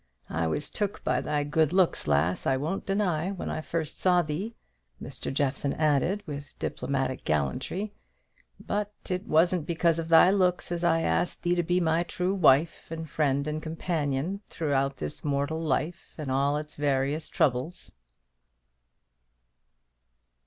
I was took by thy good looks, lass, I won't deny, when I first saw thee," Mr. Jeffson added, with diplomatic gallantry; "but it wasn't because of thy looks as I asked thee to be my true wife, and friend, and companion, throughout this mortal life and all its various troubles."